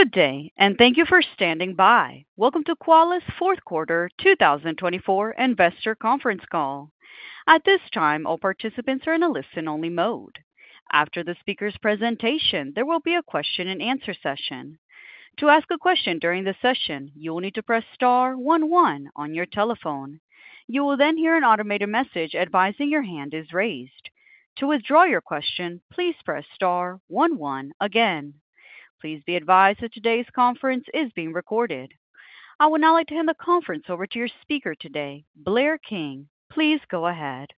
Good day, and thank you for standing by. Welcome to Qualys Fourth Quarter 2024 Investor conference call. At this time, all participants are in a listen-only mode. After the speaker's presentation, there will be a question-and-answer session. To ask a question during the session, you will need to press star one one on your telephone. You will then hear an automated message advising your hand is raised. To withdraw your question, please press star one one again. Please be advised that today's conference is being recorded. I would now like to hand the conference over to your speaker today, Blair King. Please go ahead.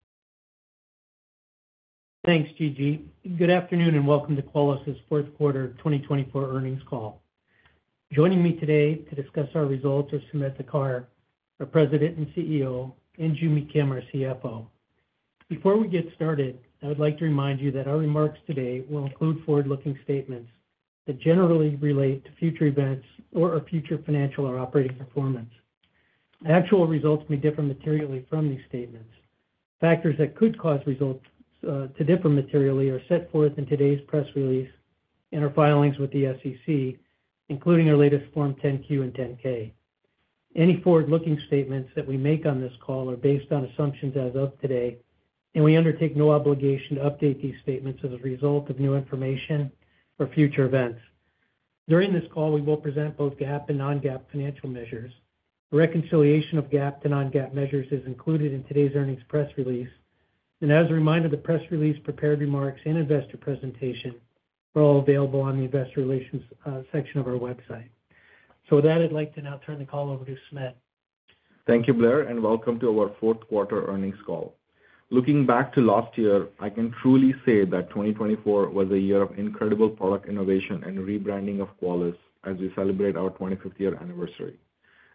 Thanks, Gigi. Good afternoon, and welcome to Qualys' fourth quarter 2024 earnings call. Joining me today to discuss our results are Sumedh Thakar, our President and CEO, and Joo Mi Kim, our CFO. Before we get started, I would like to remind you that our remarks today will include forward-looking statements that generally relate to future events or our future financial or operating performance. Actual results may differ materially from these statements. Factors that could cause results to differ materially are set forth in today's press release and our filings with the SEC, including our latest Form 10-Q and 10-K. Any forward-looking statements that we make on this call are based on assumptions as of today, and we undertake no obligation to update these statements as a result of new information or future events. During this call, we will present both GAAP and non-GAAP financial measures. The reconciliation of GAAP to non-GAAP measures is included in today's earnings press release. And as a reminder, the press release, prepared remarks, and investor presentation are all available on the investor relations section of our website. So with that, I'd like to now turn the call over to Sumedh Thakar. Thank you, Blair, and welcome to our fourth quarter earnings call. Looking back to last year, I can truly say that 2024 was a year of incredible product innovation and rebranding of Qualys as we celebrate our 25th year anniversary.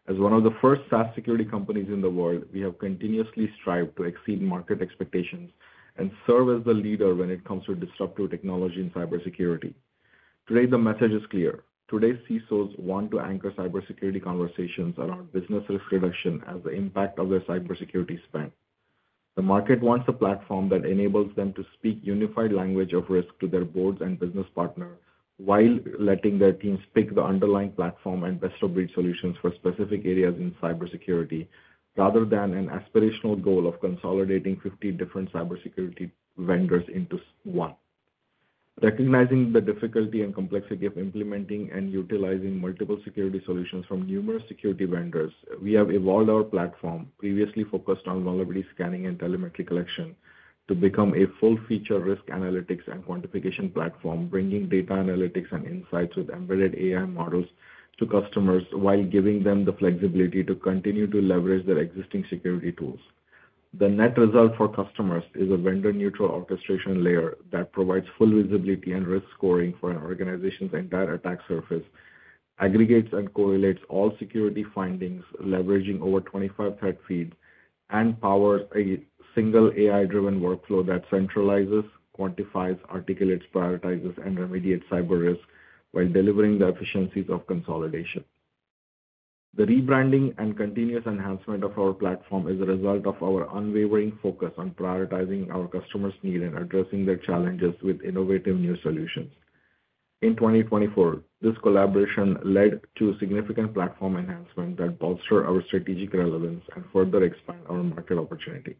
As one of the first SaaS security companies in the world, we have continuously strived to exceed market expectations and serve as the leader when it comes to disruptive technology and cybersecurity. Today, the message is clear. Today's CISOs want to anchor cybersecurity conversations around business risk reduction as the impact of their cybersecurity spend. The market wants a platform that enables them to speak a unified language of risk to their boards and business partners while letting their teams pick the underlying platform and best-of-breed solutions for specific areas in cybersecurity rather than an aspirational goal of consolidating 50 different cybersecurity vendors into one. Recognizing the difficulty and complexity of implementing and utilizing multiple security solutions from numerous security vendors, we have evolved our platform, previously focused on vulnerability scanning and telemetry collection, to become a full-feature risk analytics and quantification platform, bringing data analytics and insights with embedded AI models to customers while giving them the flexibility to continue to leverage their existing security tools. The net result for customers is a vendor-neutral orchestration layer that provides full visibility and risk scoring for an organization's entire attack surface, aggregates and correlates all security findings, leveraging over 25 threat feeds, and powers a single AI-driven workflow that centralizes, quantifies, articulates, prioritizes, and remediates cyber risk while delivering the efficiencies of consolidation. The rebranding and continuous enhancement of our platform is a result of our unwavering focus on prioritizing our customers' needs and addressing their challenges with innovative new solutions. In 2024, this collaboration led to significant platform enhancements that bolster our strategic relevance and further expand our market opportunity.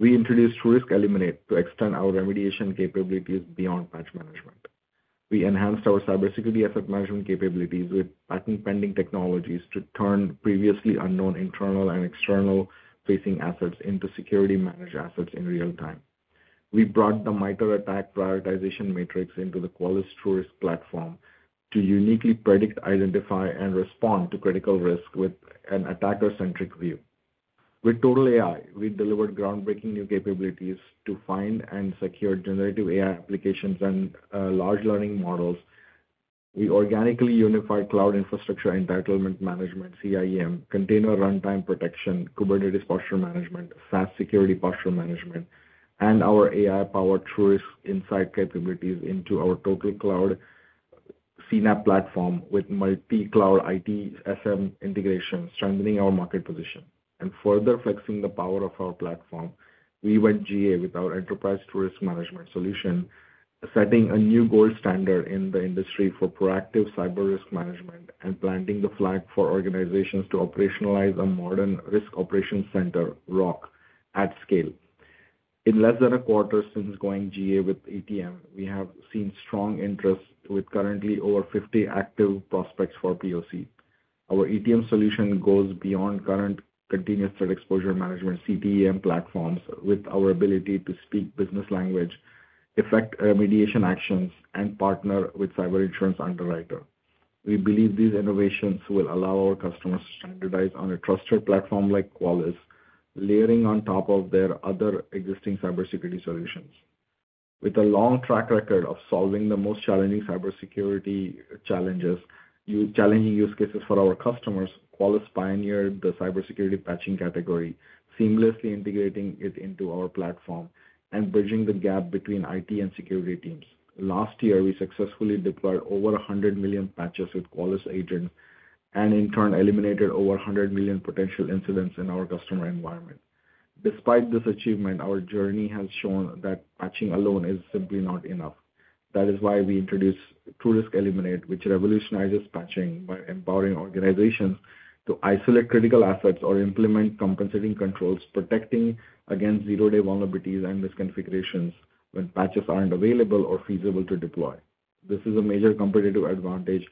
We introduced TruRisk Eliminate to extend our remediation capabilities beyond Patch Management. We enhanced our CyberSecurity Asset Management capabilities with patent-pending technologies to turn previously unknown internal and external-facing assets into security-managed assets in real time. We brought the MITRE ATT&CK prioritization matrix into the Qualys TruRisk Platform to uniquely predict, identify, and respond to critical risk with an attacker-centric view. With TotalAI, we delivered groundbreaking new capabilities to find and secure generative AI applications and large language models. We organically unified Cloud Infrastructure Entitlement Management, CIEM, container runtime protection, Kubernetes Posture Management, SaaS Security Posture Management, and our AI-powered TruRisk Insight capabilities into our TotalCloud CNAPP platform with multi-cloud ITSM integration, strengthening our market position. Further flexing the power of our platform, we went GA with our Enterprise TruRisk Management solution, setting a new gold standard in the industry for proactive cyber risk management and planting the flag for organizations to operationalize a modern Risk Operations Center, ROC, at scale. In less than a quarter since going GA with ETM, we have seen strong interest with currently over 50 active prospects for POC. Our ETM solution goes beyond current Continuous Threat Exposure Management (CTEM) platforms with our ability to speak business language, effect remediation actions, and partner with cyber insurance underwriter. We believe these innovations will allow our customers to standardize on a trusted platform like Qualys, layering on top of their other existing cybersecurity solutions. With a long track record of solving the most challenging cybersecurity challenges and challenging use cases for our customers, Qualys pioneered the cybersecurity patching category, seamlessly integrating it into our platform and bridging the gap between IT and security teams. Last year, we successfully deployed over 100 million patches with Qualys agents and, in turn, eliminated over 100 million potential incidents in our customer environment. Despite this achievement, our journey has shown that patching alone is simply not enough. That is why we introduced TruRisk Eliminate, which revolutionizes patching by empowering organizations to isolate critical assets or implement compensating controls, protecting against zero-day vulnerabilities and misconfigurations when patches aren't available or feasible to deploy. This is a major competitive advantage,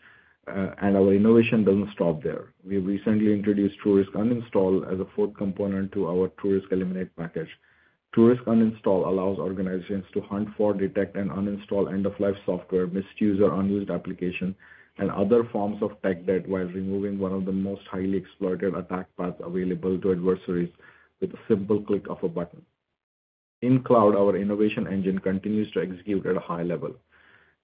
and our innovation doesn't stop there. We have recently introduced TruRisk Uninstall as a fourth component to our TruRisk Eliminate package. TruRisk Uninstall allows organizations to hunt for, detect, and uninstall end-of-life software, misuse, or unused applications, and other forms of tech debt while removing one of the most highly exploited attack paths available to adversaries with a simple click of a button. In cloud, our innovation engine continues to execute at a high level.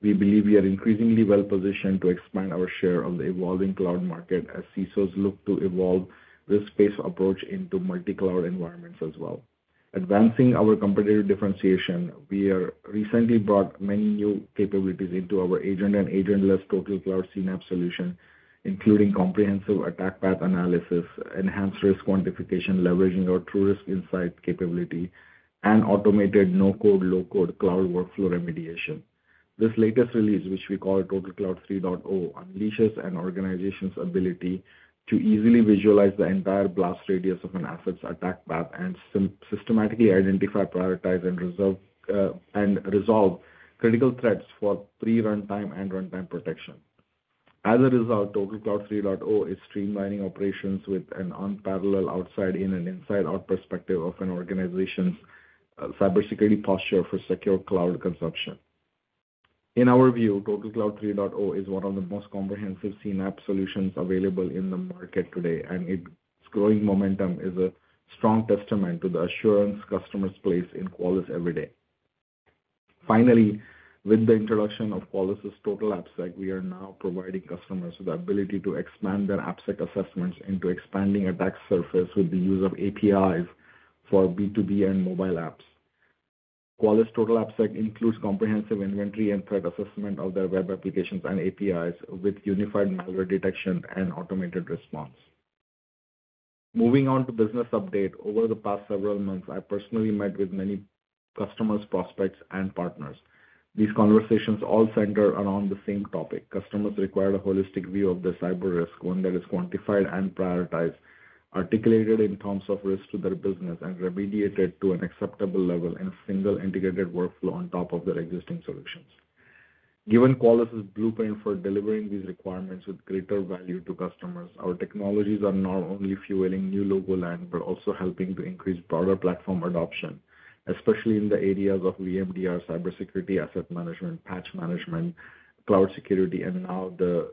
We believe we are increasingly well-positioned to expand our share of the evolving cloud market as CISOs look to evolve risk-based approaches into multi-cloud environments as well. Advancing our competitive differentiation, we have recently brought many new capabilities into our agent and agentless TotalCloud CNAPP solution, including comprehensive attack path analysis, enhanced risk quantification leveraging our TruRisk Insight capability, and automated no-code, low-code cloud workflow remediation. This latest release, which we call TotalCloud 3.0, unleashes an organization's ability to easily visualize the entire blast radius of an asset's attack path and systematically identify, prioritize, and resolve critical threats for pre-runtime and runtime protection. As a result, TotalCloud 3.0 is streamlining operations with an unparalleled outside-in and inside-out perspective of an organization's cybersecurity posture for secure cloud consumption. In our view, TotalCloud 3.0 is one of the most comprehensive CNAPP solutions available in the market today, and its growing momentum is a strong testament to the assurance customers place in Qualys every day. Finally, with the introduction of Qualys' TotalAppSec, we are now providing customers with the ability to expand their AppSec assessments into expanding attack surface with the use of APIs for B2B and mobile apps. Qualys' TotalAppSec includes comprehensive inventory and threat assessment of their web applications and APIs with unified malware detection and automated response. Moving on to business update, over the past several months, I personally met with many customers, prospects, and partners. These conversations all center around the same topic. Customers require a holistic view of their cyber risk when that is quantified and prioritized, articulated in terms of risk to their business, and remediated to an acceptable level in a single integrated workflow on top of their existing solutions. Given Qualys' blueprint for delivering these requirements with greater value to customers, our technologies are not only fueling new logo land but also helping to increase broader platform adoption, especially in the areas of VMDR, CyberSecurity Asset Management, Patch Management, cloud security, and now the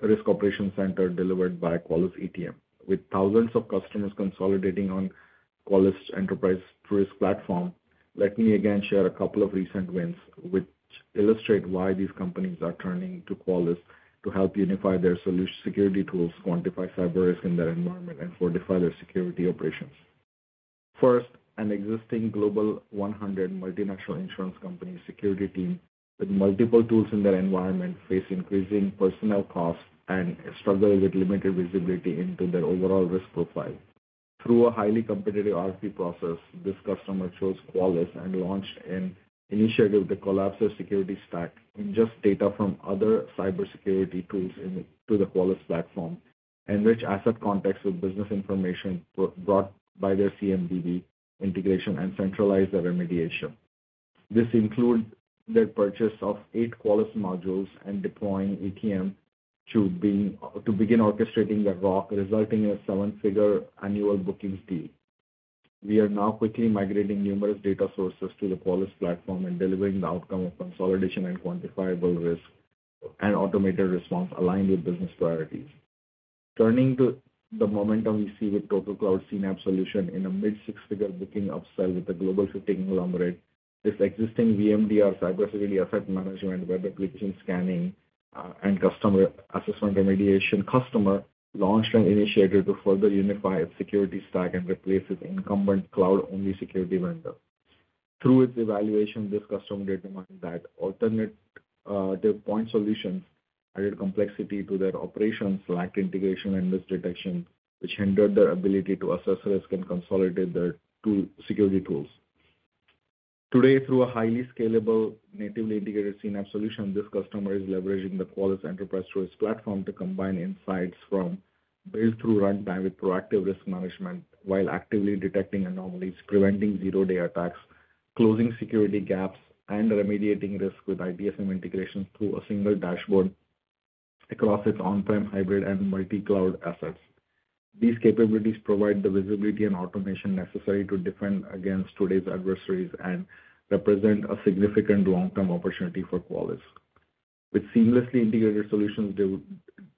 Risk Operations Center delivered by Qualys ETM. With thousands of customers consolidating on Qualys' Enterprise TruRisk Platform, let me again share a couple of recent wins which illustrate why these companies are turning to Qualys to help unify their security tools, quantify cyber risk in their environment, and fortify their security operations. First, an existing Global 100 multinational insurance company security team with multiple tools in their environment faces increasing personnel costs and struggles with limited visibility into their overall risk profile. Through a highly competitive RFP process, this customer chose Qualys and launched an initiative to collapse their security stack and ingest data from other cybersecurity tools into the Qualys platform, enrich asset context with business information brought by their CMDB integration, and centralize their remediation. This included their purchase of eight Qualys modules and deploying ETM to begin orchestrating their ROC, resulting in a seven-figure annual bookings deal. We are now quickly migrating numerous data sources to the Qualys platform and delivering the outcome of consolidation and quantifiable risk and automated response aligned with business priorities. Turning to the momentum we see with TotalCloud CNAPP solution in a mid-six-figure booking upsell with a Global 50 conglomerate, this existing VMDR CyberSecurity Asset Management, Web Application Scanning, and Custom Assessment and Remediation customer launched an initiative to further unify its security stack and replace its incumbent cloud-only security vendor. Through its evaluation, this customer did find that alternative point solutions added complexity to their operations, lacked integration and risk detection, which hindered their ability to assess risk and consolidate their security tools. Today, through a highly scalable, natively integrated CNAPP solution, this customer is leveraging the Qualys Enterprise TruRisk Platform to combine insights from build-through runtime with proactive risk management while actively detecting anomalies, preventing zero-day attacks, closing security gaps, and remediating risk with ITSM integration through a single dashboard across its on-prem, hybrid, and multi-cloud assets. These capabilities provide the visibility and automation necessary to defend against today's adversaries and represent a significant long-term opportunity for Qualys. With seamlessly integrated solutions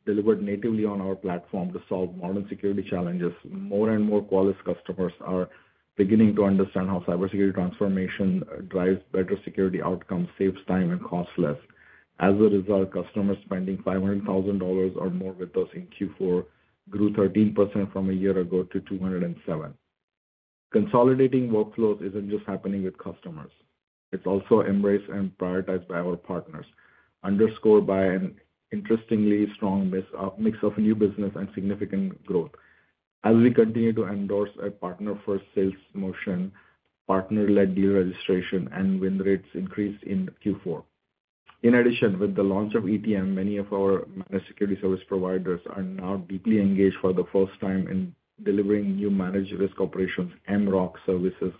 delivered natively on our platform to solve modern security challenges, more and more Qualys customers are beginning to understand how cybersecurity transformation drives better security outcomes, saves time, and costs less. As a result, customers spending $500,000 or more with us in Q4 grew 13% from a year ago to 207. Consolidating workflows isn't just happening with customers. It's also embraced and prioritized by our partners, underscored by an interestingly strong mix of new business and significant growth. As we continue to endorse a partner-first sales motion, partner-led deal registration, and win rates increase in Q4. In addition, with the launch of ETM, many of our managed security service providers are now deeply engaged for the first time in delivering new Managed Risk Operations, MROC services,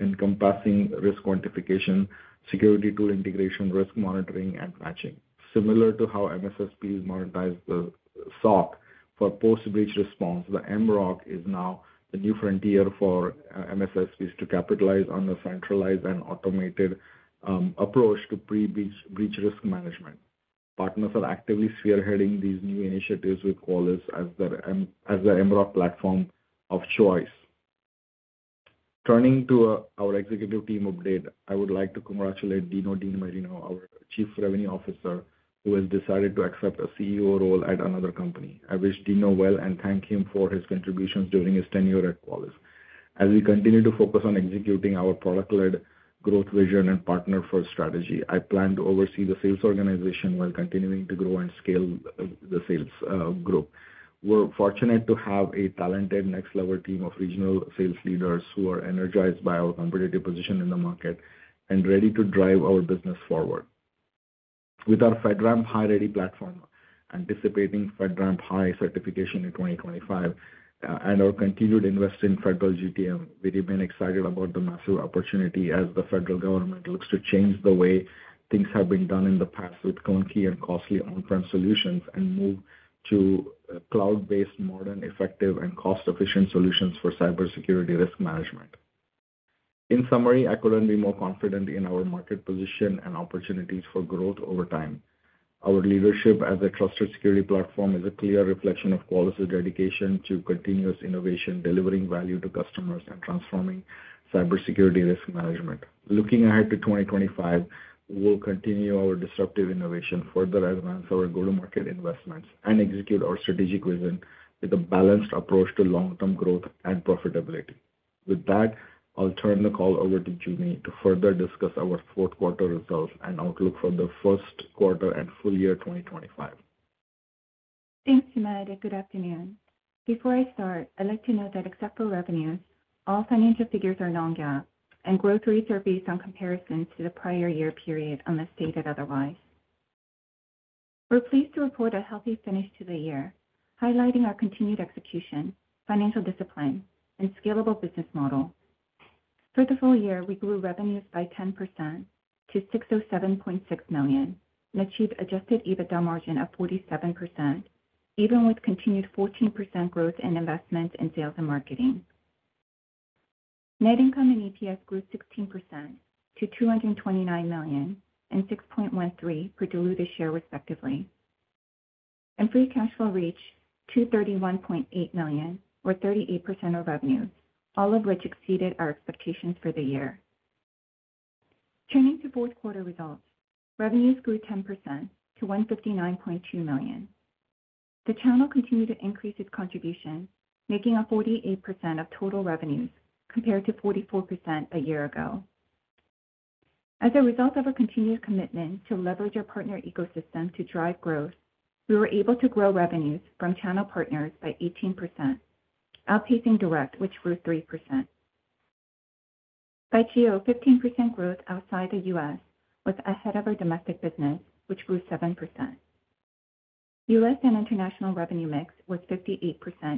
encompassing risk quantification, security tool integration, risk monitoring, and patching. Similar to how MSSPs monetize the SOC for post-breach response, the MROC is now the new frontier for MSSPs to capitalize on the centralized and automated approach to pre-breach risk management. Partners are actively spearheading these new initiatives with Qualys as their MROC platform of choice. Turning to our executive team update, I would like to congratulate Dino DiMarino, our Chief Revenue Officer, who has decided to accept a CEO role at another company. I wish Dino well and thank him for his contributions during his tenure at Qualys. As we continue to focus on executing our product-led growth vision and partner-first strategy, I plan to oversee the sales organization while continuing to grow and scale the sales group. We're fortunate to have a talented next-level team of regional sales leaders who are energized by our competitive position in the market and ready to drive our business forward. With our FedRAMP High Ready platform, anticipating FedRAMP High certification in 2025, and our continued investment in federal GTM, we remain excited about the massive opportunity as the federal government looks to change the way things have been done in the past with clunky and costly on-prem solutions and move to cloud-based, modern, effective, and cost-efficient solutions for cybersecurity risk management. In summary, I couldn't be more confident in our market position and opportunities for growth over time. Our leadership as a trusted security platform is a clear reflection of Qualys' dedication to continuous innovation, delivering value to customers and transforming cybersecurity risk management. Looking ahead to 2025, we'll continue our disruptive innovation, further advance our go-to-market investments, and execute our strategic vision with a balanced approach to long-term growth and profitability. With that, I'll turn the call over to Joo Mi to further discuss our fourth quarter results and outlook for the first quarter and full year 2025. Thanks, Sumedh. Good afternoon. Before I start, I'd like to note that except for revenues, all financial figures are non-GAAP, and growth rates are based on comparisons to the prior year period unless stated otherwise. We're pleased to report a healthy finish to the year, highlighting our continued execution, financial discipline, and scalable business model. For the full year, we grew revenues by 10% to $607.6 million and achieved adjusted EBITDA margin of 47%, even with continued 14% growth in investments in sales and marketing. Net income and EPS grew 16% to $229 million and $6.13 per diluted share, respectively. And free cash flow reached $231.8 million, or 38% of revenues, all of which exceeded our expectations for the year. Turning to fourth quarter results, revenues grew 10% to $159.2 million. The channel continued to increase its contribution, making a 48% of total revenues compared to 44% a year ago. As a result of our continued commitment to leverage our partner ecosystem to drive growth, we were able to grow revenues from channel partners by 18%, outpacing direct, which grew 3%. By geo, 15% growth outside the U.S. was ahead of our domestic business, which grew 7%. U.S. and international revenue mix was 58%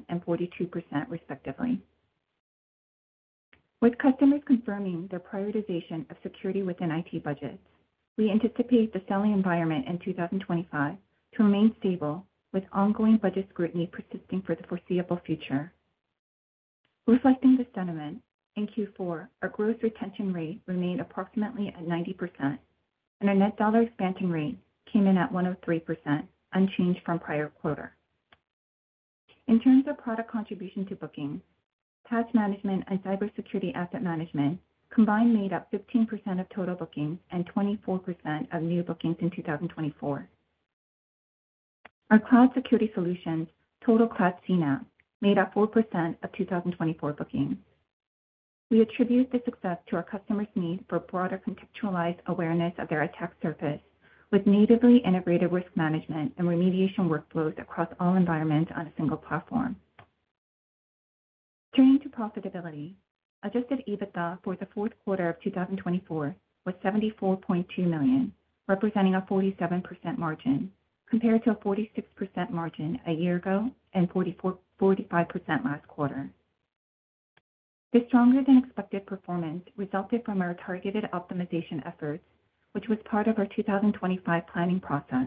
and 42%, respectively. With customers confirming their prioritization of security within IT budgets, we anticipate the selling environment in 2025 to remain stable, with ongoing budget scrutiny persisting for the foreseeable future. Reflecting the sentiment, in Q4, our gross retention rate remained approximately at 90%, and our net dollar expansion rate came in at 103%, unchanged from prior quarter. In terms of product contribution to bookings, Patch Management and Cybersecurity Asset Management combined made up 15% of total bookings and 24% of new bookings in 2024. Our cloud security solutions, TotalCloud CNAPP, made up 4% of 2024 bookings. We attribute the success to our customers' need for broader contextualized awareness of their attack surface, with natively integrated risk management and remediation workflows across all environments on a single platform. Turning to profitability, adjusted EBITDA for the fourth quarter of 2024 was $74.2 million, representing a 47% margin, compared to a 46% margin a year ago and 45% last quarter. This stronger-than-expected performance resulted from our targeted optimization efforts, which was part of our 2025 planning process.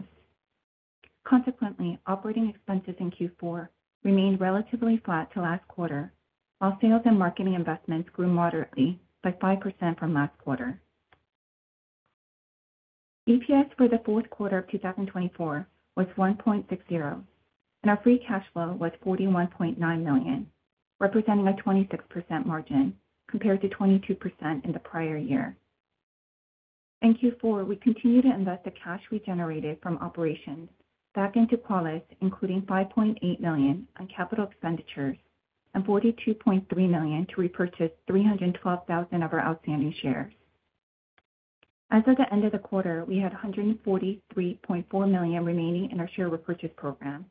Consequently, operating expenses in Q4 remained relatively flat to last quarter, while sales and marketing investments grew moderately by 5% from last quarter. EPS for the fourth quarter of 2024 was $1.60, and our free cash flow was $41.9 million, representing a 26% margin, compared to 22% in the prior year. In Q4, we continued to invest the cash we generated from operations back into Qualys, including $5.8 million on capital expenditures and $42.3 million to repurchase 312,000 of our outstanding shares. As of the end of the quarter, we had $143.4 million remaining in our share repurchase program.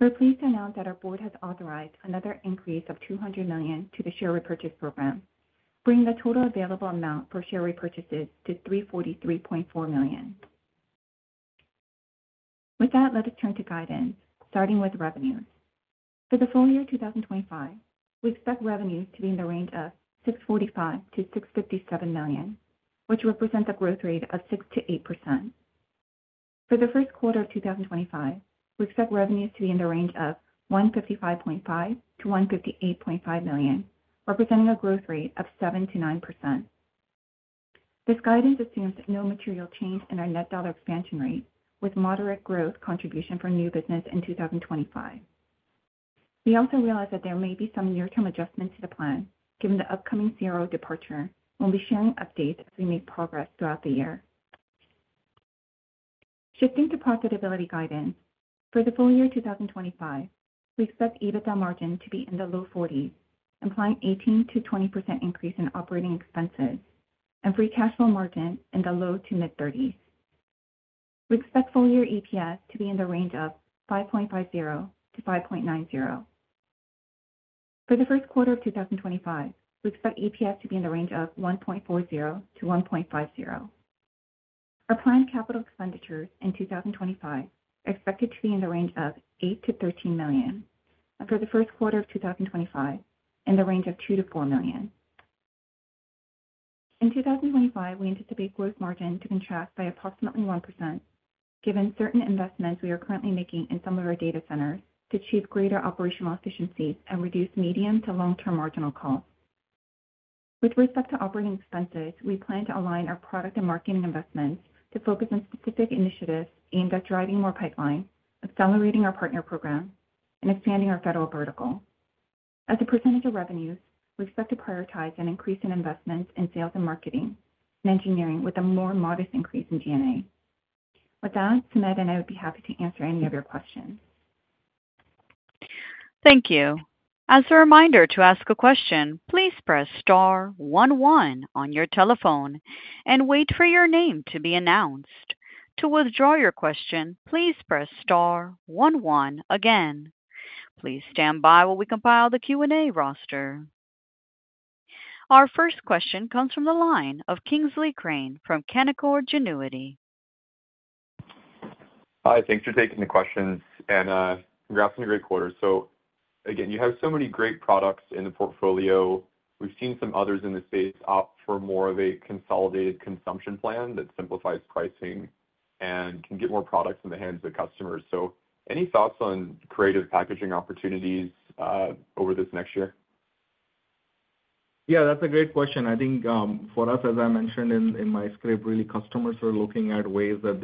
We're pleased to announce that our board has authorized another increase of $200 million to the share repurchase program, bringing the total available amount for share repurchases to $343.4 million. With that, let us turn to guidance, starting with revenues. For the full year 2025, we expect revenues to be in the range of $645 million-$657 million, which represents a growth rate of 6%-8%. For the first quarter of 2025, we expect revenues to be in the range of $155.5 million-$158.5 million, representing a growth rate of 7%-9%. This guidance assumes no material change in our net dollar expansion rate, with moderate growth contribution for new business in 2025. We also realize that there may be some near-term adjustments to the plan, given the upcoming CRO departure, and we'll be sharing updates as we make progress throughout the year. Shifting to profitability guidance, for the full year 2025, we expect EBITDA margin to be in the low 40s, implying an 18%-20% increase in operating expenses, and free cash flow margin in the low to mid-30s. We expect full year EPS to be in the range of $5.50-$5.90. For the first quarter of 2025, we expect EPS to be in the range of $1.40-$1.50. Our planned capital expenditures in 2025 are expected to be in the range of $8-13 million, and for the first quarter of 2025, in the range of $2 million-$4 million. In 2025, we anticipate gross margin to contract by approximately 1%, given certain investments we are currently making in some of our data centers to achieve greater operational efficiencies and reduce medium to long-term marginal costs. With respect to operating expenses, we plan to align our product and marketing investments to focus on specific initiatives aimed at driving more pipelines, accelerating our partner program, and expanding our federal vertical. As a percentage of revenues, we expect to prioritize an increase in investments in sales and marketing and engineering, with a more modest increase in G&A. With that, Sumedh and I would be happy to answer any of your questions. Thank you. As a reminder to ask a question, please press star one one on your telephone and wait for your name to be announced. To withdraw your question, please press star one one again. Please stand by while we compile the Q&A roster. Our first question comes from the line of Kingsley Crane from Canaccord Genuity. Hi, thanks for taking the questions, and congrats on your great quarter. So again, you have so many great products in the portfolio. We've seen some others in the space opt for more of a consolidated consumption plan that simplifies pricing and can get more products in the hands of customers. So any thoughts on creative packaging opportunities over this next year? Yeah, that's a great question. I think for us, as I mentioned in my script, really customers are looking at ways that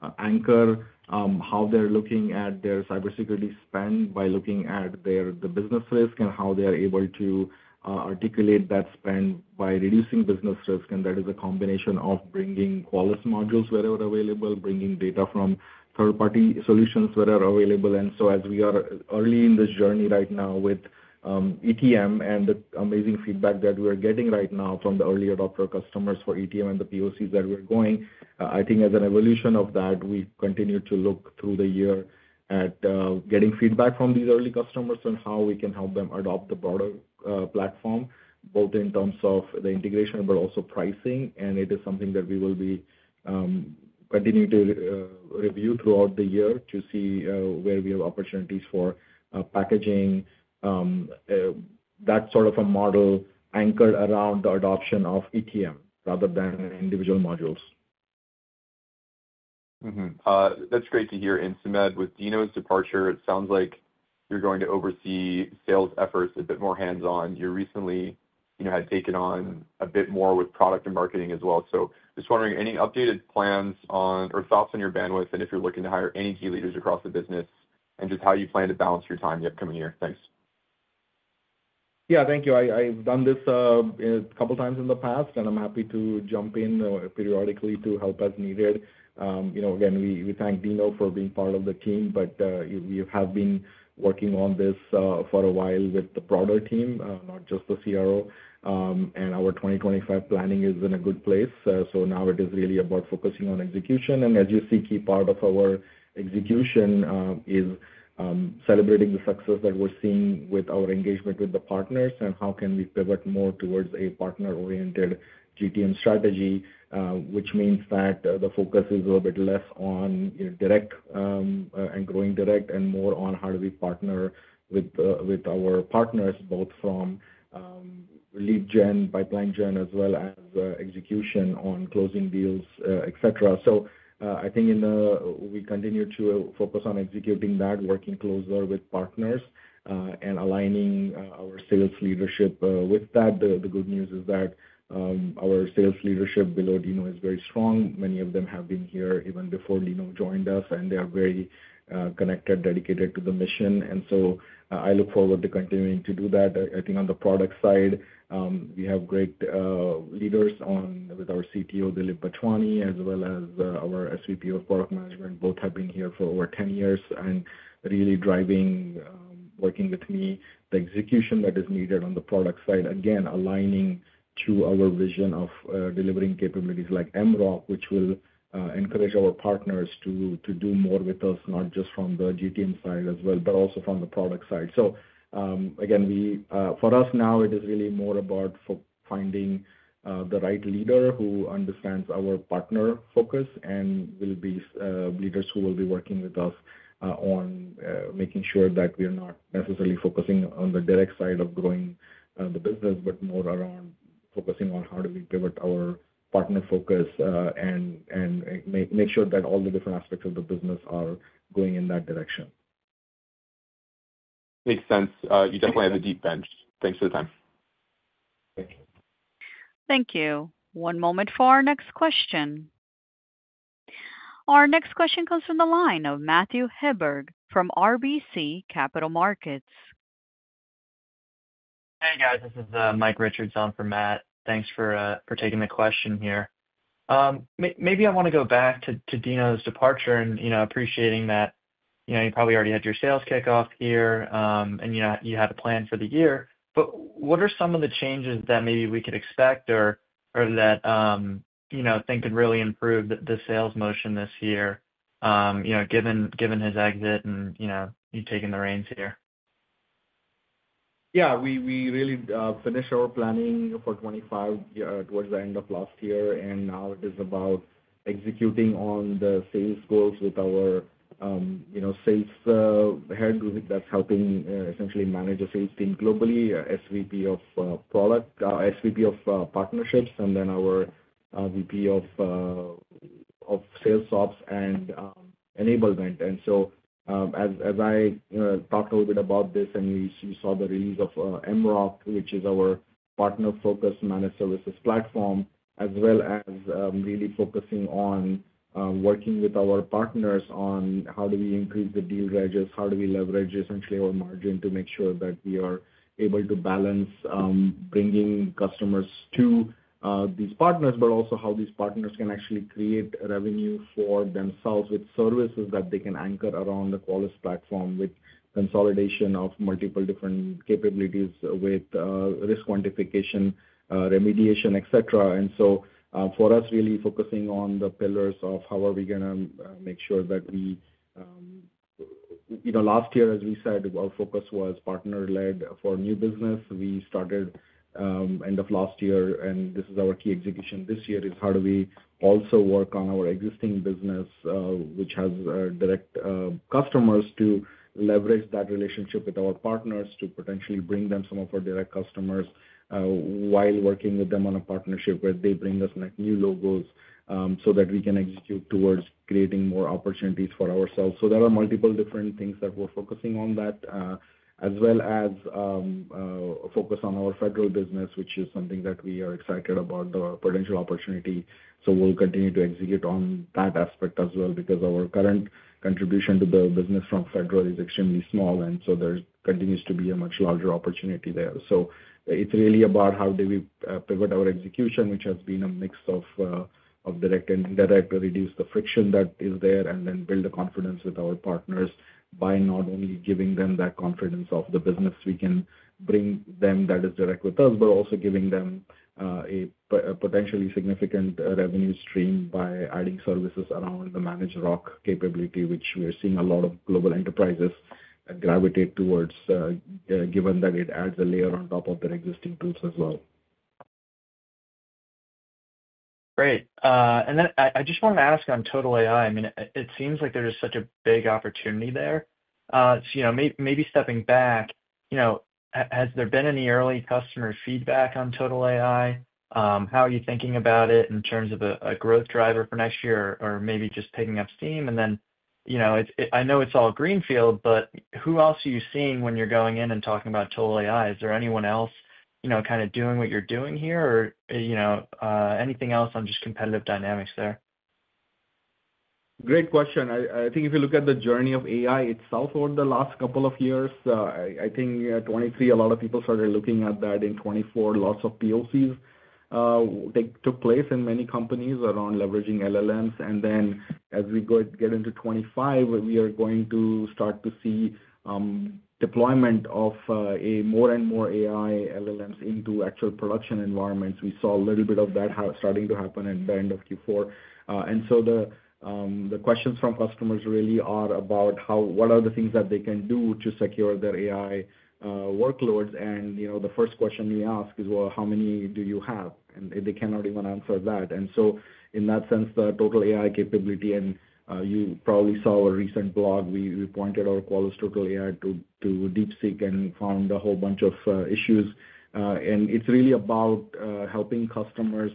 they can anchor how they're looking at their cybersecurity spend by looking at the business risk and how they are able to articulate that spend by reducing business risk. And that is a combination of bringing Qualys modules wherever available, bringing data from third-party solutions wherever available. And so as we are early in the journey right now with ETM and the amazing feedback that we are getting right now from the early adopter customers for ETM and the POCs that we're going, I think as an evolution of that, we continue to look through the year at getting feedback from these early customers on how we can help them adopt the broader platform, both in terms of the integration, but also pricing. And it is something that we will be continuing to review throughout the year to see where we have opportunities for packaging that sort of a model anchored around the adoption of ETM rather than individual modules. That's great to hear. And Sumedh, with Dino's departure, it sounds like you're going to oversee sales efforts a bit more hands-on. You recently had taken on a bit more with product and marketing as well. So just wondering, any updated plans or thoughts on your bandwidth and if you're looking to hire any key leaders across the business and just how you plan to balance your time the upcoming year? Thanks. Yeah, thank you. I've done this a couple of times in the past, and I'm happy to jump in periodically to help as needed. Again, we thank Dino for being part of the team, but we have been working on this for a while with the broader team, not just the CRO. And our 2025 planning is in a good place. So now it is really about focusing on execution. And as you see, key part of our execution is celebrating the success that we're seeing with our engagement with the partners and how can we pivot more towards a partner-oriented GTM strategy, which means that the focus is a little bit less on direct and growing direct and more on how do we partner with our partners, both from lead gen, pipeline gen, as well as execution on closing deals, etc. So I think we continue to focus on executing that, working closer with partners and aligning our sales leadership with that. The good news is that our sales leadership below Dino is very strong. Many of them have been here even before Dino joined us, and they are very connected, dedicated to the mission, and so I look forward to continuing to do that. I think on the product side, we have great leaders with our CTO, Dilip Bachwani, as well as our SVP of Product Management. Both have been here for over 10 years and really driving, working with me, the execution that is needed on the product side, again, aligning to our vision of delivering capabilities like MROC, which will encourage our partners to do more with us, not just from the GTM side as well, but also from the product side. So again, for us now, it is really more about finding the right leader who understands our partner focus and will be leaders who will be working with us on making sure that we are not necessarily focusing on the direct side of growing the business, but more around focusing on how do we pivot our partner focus and make sure that all the different aspects of the business are going in that direction. Makes sense. You definitely have a deep bench. Thanks for the time. Thank you. Thank you. One moment for our next question. Our next question comes from the line of Matthew Hedberg from RBC Capital Markets. Hey, guys. This is Michael Richards on for Matt. Thanks for taking the question here. Maybe I want to go back to Dino's departure and appreciating that you probably already had your sales kickoff here and you had a plan for the year. But what are some of the changes that maybe we could expect or that I think could really improve the sales motion this year, given his exit and you taking the reins here? Yeah, we really finished our planning for 2025 towards the end of last year, and now it is about executing on the sales goals with our sales head, who I think that's helping essentially manage a sales team globally, SVP of product, SVP of partnerships, and then our VP of sales ops and enablement. And so as I talked a little bit about this, and you saw the release of MROC, which is our partner-focused managed services platform, as well as really focusing on working with our partners on how do we increase the deal registration, how do we leverage essentially our margin to make sure that we are able to balance bringing customers to these partners, but also how these partners can actually create revenue for themselves with services that they can anchor around the Qualys platform with consolidation of multiple different capabilities with risk quantification, remediation, etc. And so for us, really focusing on the pillars of how are we going to make sure that we last year, as we said, our focus was partner-led for new business. We started end of last year, and this is our key execution this year, is how do we also work on our existing business, which has direct customers, to leverage that relationship with our partners to potentially bring them some of our direct customers while working with them on a partnership where they bring us new logos so that we can execute towards creating more opportunities for ourselves. So there are multiple different things that we're focusing on that, as well as focus on our federal business, which is something that we are excited about, the potential opportunity. So we'll continue to execute on that aspect as well because our current contribution to the business from federal is extremely small, and so there continues to be a much larger opportunity there. So it's really about how do we pivot our execution, which has been a mix of direct and indirect, reduce the friction that is there, and then build the confidence with our partners by not only giving them that confidence of the business we can bring them that is direct with us, but also giving them a potentially significant revenue stream by adding services around the managed ROC capability, which we are seeing a lot of global enterprises gravitate towards, given that it adds a layer on top of their existing tools as well. Great. And then I just want to ask on TotalAI. I mean, it seems like there's such a big opportunity there. So maybe stepping back, has there been any early customer feedback on TotalAI? How are you thinking about it in terms of a growth driver for next year or maybe just picking up steam? And then I know it's all greenfield, but who else are you seeing when you're going in and talking about TotalAI? Is there anyone else kind of doing what you're doing here or anything else on just competitive dynamics there? Great question. I think if you look at the journey of AI itself over the last couple of years, I think 2023, a lot of people started looking at that. In 2024, lots of POCs took place in many companies around leveraging LLMs. And then as we get into 2025, we are going to start to see deployment of more and more AI LLMs into actual production environments. We saw a little bit of that starting to happen at the end of Q4. And so the questions from customers really are about what are the things that they can do to secure their AI workloads. And the first question we ask is, well, how many do you have? And they cannot even answer that. And so in that sense, the TotalAI capability, and you probably saw our recent blog, we pointed our Qualys TotalAI to DeepSeek and found a whole bunch of issues. And it's really about helping customers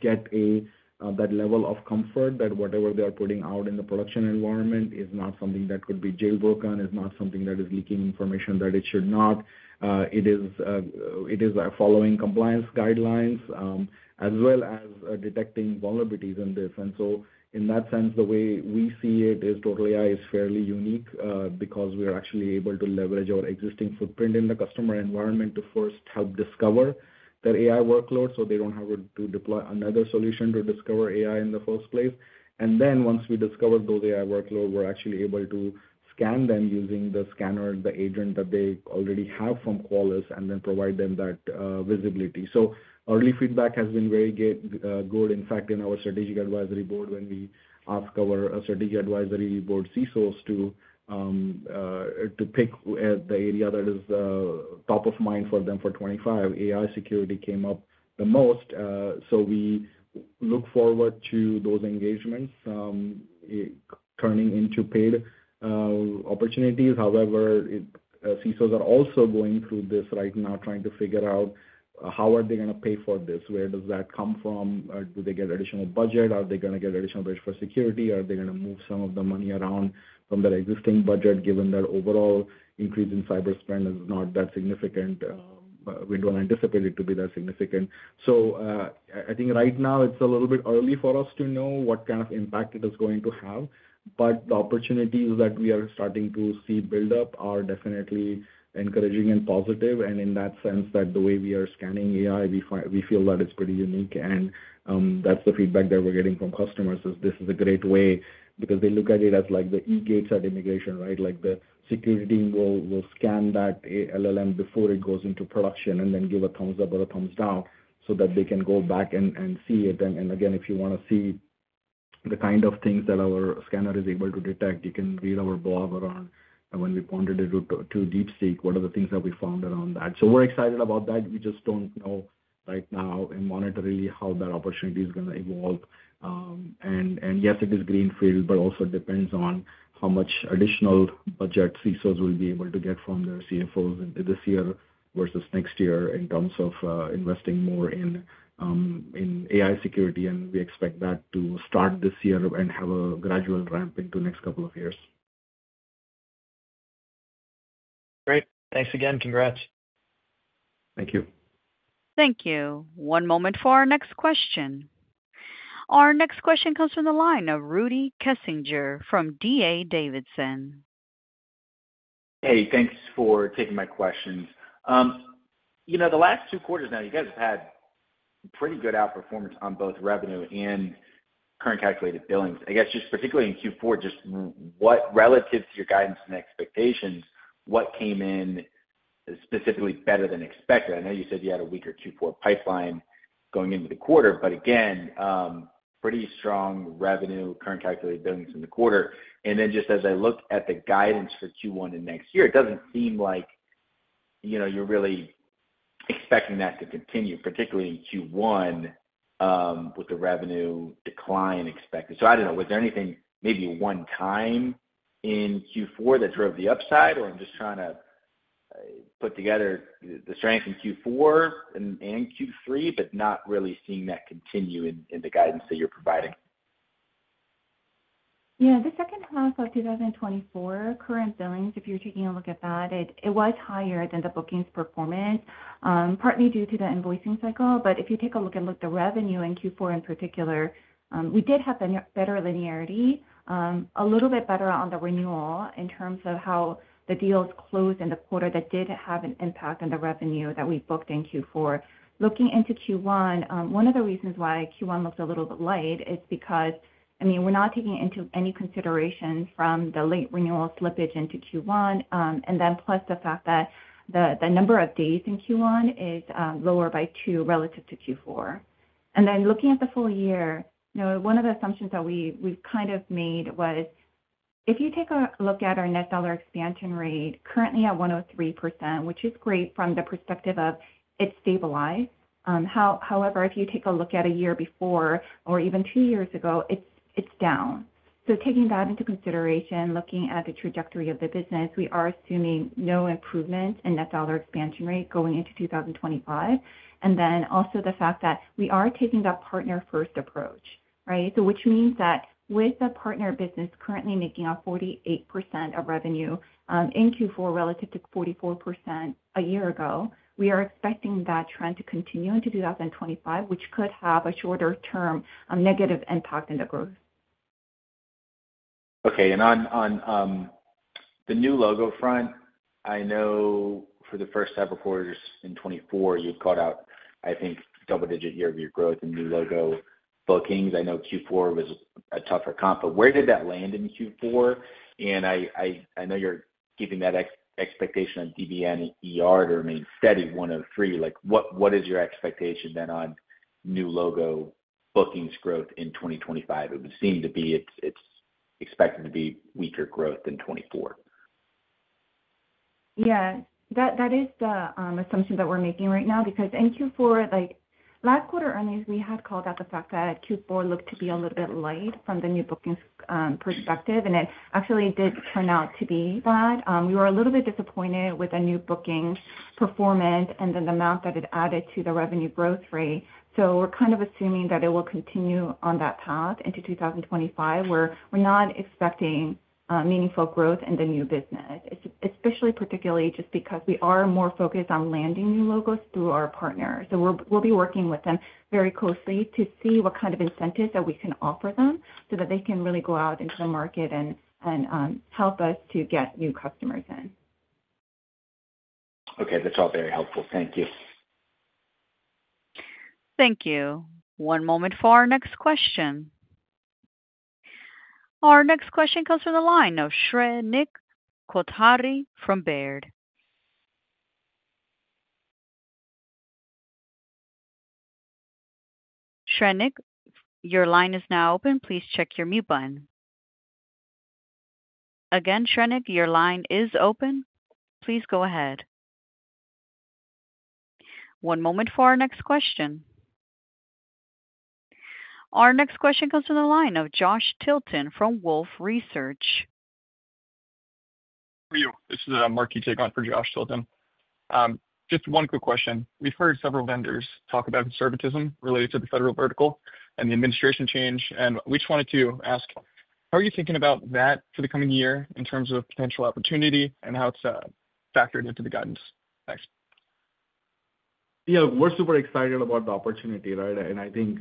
get that level of comfort that whatever they are putting out in the production environment is not something that could be jailbroken and is not something that is leaking information that it should not. It is following compliance guidelines as well as detecting vulnerabilities in this. In that sense, the way we see it is TotalAI is fairly unique because we are actually able to leverage our existing footprint in the customer environment to first help discover their AI workload so they don't have to deploy another solution to discover AI in the first place. Then once we discover those AI workloads, we're actually able to scan them using the scanner, the agent that they already have from Qualys, and then provide them that visibility. Early feedback has been very good. In fact, in our strategic advisory board, when we ask our strategic advisory board CSOs to pick the area that is top of mind for them for 2025, AI security came up the most. We look forward to those engagements turning into paid opportunities. However, CISOs are also going through this right now, trying to figure out how are they going to pay for this? Where does that come from? Do they get additional budget? Are they going to get additional budget for security? Are they going to move some of the money around from their existing budget, given that overall increase in cyber spend is not that significant? We don't anticipate it to be that significant. So I think right now it's a little bit early for us to know what kind of impact it is going to have. But the opportunities that we are starting to see build up are definitely encouraging and positive. And in that sense that the way we are scanning AI, we feel that it's pretty unique. That's the feedback that we're getting from customers is this is a great way because they look at it as like the e-gates at immigration, right? Like the security will scan that LLM before it goes into production and then give a thumbs up or a thumbs down so that they can go back and see it. Again, if you want to see the kind of things that our scanner is able to detect, you can read our blog around when we pointed it to DeepSeek, what are the things that we found around that. We're excited about that. We just don't know right now and monitor really how that opportunity is going to evolve. And yes, it is greenfield, but also depends on how much additional budget CSOs will be able to get from their CFOs this year versus next year in terms of investing more in AI security. And we expect that to start this year and have a gradual ramp into the next couple of years. Great. Thanks again. Congrats. Thank you. Thank you. One moment for our next question. Our next question comes from the line of Rudy Kessinger from D.A. Davidson. Hey, thanks for taking my questions. The last two quarters now, you guys have had pretty good outperformance on both revenue and current calculated billings. I guess just particularly in Q4, just relative to your guidance and expectations, what came in specifically better than expected? I know you said you had a weaker Q4 pipeline going into the quarter, but again, pretty strong revenue, current calculated billings in the quarter, and then just as I look at the guidance for Q1 and next year, it doesn't seem like you're really expecting that to continue, particularly in Q1 with the revenue decline expected, so I don't know, was there anything maybe one-time in Q4 that drove the upside? Or I'm just trying to put together the strength in Q4 and Q3, but not really seeing that continue in the guidance that you're providing. Yeah, the second half of 2024, current billings, if you're taking a look at that, it was higher than the bookings performance, partly due to the invoicing cycle. But if you take a look at the revenue in Q4 in particular, we did have better linearity, a little bit better on the renewal in terms of how the deals closed in the quarter that did have an impact on the revenue that we booked in Q4. Looking into Q1, one of the reasons why Q1 looked a little bit light is because, I mean, we're not taking into any consideration from the late renewal slippage into Q1. And then plus the fact that the number of days in Q1 is lower by two relative to Q4. And then looking at the full year, one of the assumptions that we've kind of made was if you take a look at our net dollar expansion rate, currently at 103%, which is great from the perspective of it's stabilized. However, if you take a look at a year before or even two years ago, it's down. So taking that into consideration, looking at the trajectory of the business, we are assuming no improvement in net dollar expansion rate going into 2025. And then also the fact that we are taking that partner-first approach, right? So which means that with the partner business currently making up 48% of revenue in Q4 relative to 44% a year ago, we are expecting that trend to continue into 2025, which could have a shorter-term negative impact on the growth. Okay. And on the new logo front, I know for the first several quarters in 2024, you've called out, I think, double-digit year-over-year growth in new logo bookings. I know Q4 was a tougher comp. But where did that land in Q4? And I know you're keeping that expectation on DBN and to remain steady, 103. What is your expectation then on new logo bookings growth in 2025? It would seem to be it's expected to be weaker growth than 2024. Yeah. That is the assumption that we're making right now because in Q4, last quarter earnings, we had called out the fact that Q4 looked to be a little bit light from the new bookings perspective. And it actually did turn out to be that. We were a little bit disappointed with the new bookings performance and then the amount that it added to the revenue growth rate. So we're kind of assuming that it will continue on that path into 2025, where we're not expecting meaningful growth in the new business, especially particularly just because we are more focused on landing new logos through our partners. So we'll be working with them very closely to see what kind of incentives that we can offer them so that they can really go out into the market and help us to get new customers in. Okay. That's all very helpful. Thank you. Thank you. One moment for our next question. Our next question comes from the line of Shrenik Kothari from Baird. Shrenik, your line is now open. Please check your mute button. Again, Shrenik, your line is open. Please go ahead. One moment for our next question. Our next question comes from the line of Josh Tilton from Wolfe Research. How are you? This is Mark taking over for Josh Tilton. Just one quick question. We've heard several vendors talk about conservatism related to the federal vertical and the administration change. We just wanted to ask, how are you thinking about that for the coming year in terms of potential opportunity and how it's factored into the guidance? Thanks. Yeah, we're super excited about the opportunity, right? And I think